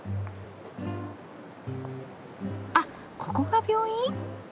あっここが病院？